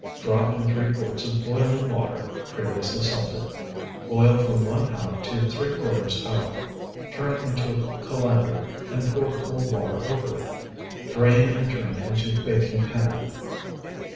Drop in three quarts of boiling water, previously salted. Boil from one half to three quarters hour, turn into colander, and pour cold water over it. Drain and turn into baking pan.